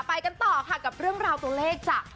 ไปกันต่อค่ะกับเรื่องราวตัวเลขจาก